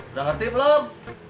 udah ngerti belum